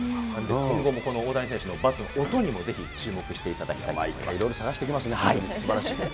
今後も大谷選手のバットの音にも、ぜひ注目していただきたいいっぱい、いろいろ探してきますね、すばらしいです。